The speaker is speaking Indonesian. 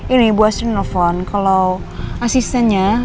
ini bu astri nelfon kalau asistennya